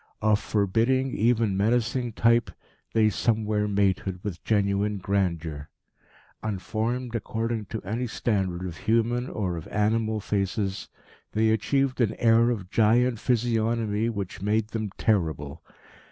Of forbidding, even menacing type, they somewhere mated with genuine grandeur. Unformed, according to any standard of human or of animal faces, they achieved an air of giant physiognomy which made them terrible.